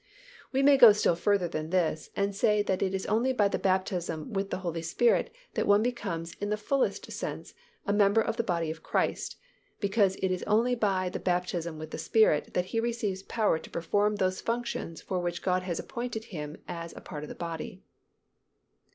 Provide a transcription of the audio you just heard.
We may go still further than this and say that it is only by the baptism with the Holy Spirit that one becomes in the fullest sense a member of the body of Christ, because it is only by the baptism with the Spirit that he receives power to perform those functions for which God has appointed him as a part of the body.